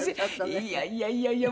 いやいやいやいや